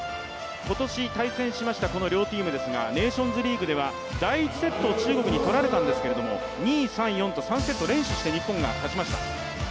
今年対戦しましたこの両チームですが、ネーションズリーグでは第１セットを中国に取られたんですけれども、２、３、４と３セット連取して日本が勝ちました。